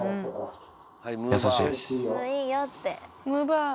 優しい。